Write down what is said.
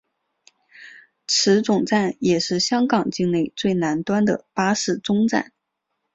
此总站也是香港境内最南端的巴士终站。